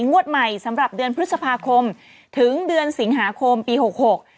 งวดใหม่สำหรับเดือนพฤษภาคมถึงเดือนสิงหาคมปีหกหก